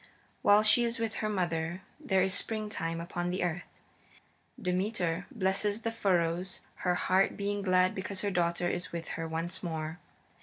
While she is with her mother there is springtime upon the earth. Demeter blesses the furrows, her heart being glad because her daughter is with her once more.